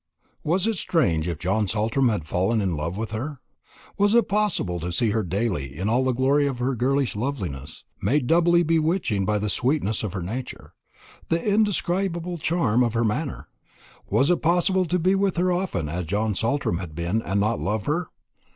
Was it strange if John Saltram had fallen in love with her? was it possible to see her daily in all the glory of her girlish loveliness, made doubly bewitching by the sweetness of her nature, the indescribable charm of her manner was it possible to be with her often, as John Saltram had been, and not love her?